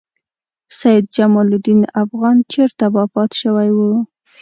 سیدجمال الدین افغان چېرته وفات شوی و؟